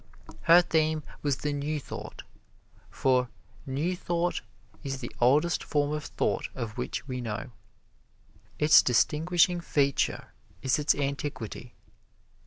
Her theme was the New Thought, for New Thought is the oldest form of thought of which we know. Its distinguishing feature is its antiquity.